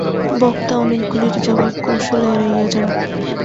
বক্তা অনেকগুলির জবাব কৌশলে এড়াইয়া যান।